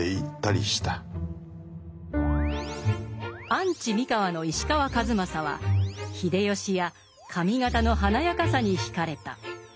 アンチ三河の石川数正は秀吉や上方の華やかさに惹かれた。